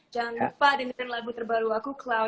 jangan lupa dengerin lagu terbaru aku cloud sembilan